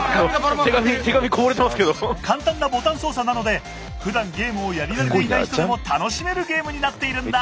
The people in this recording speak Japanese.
簡単なボタン操作なのでふだんゲームをやり慣れていない人でも楽しめるゲームになっているんだ。